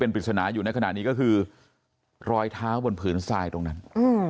และก็คือว่าถึงแม้วันนี้จะพบรอยเท้าเสียแป้งจริงไหม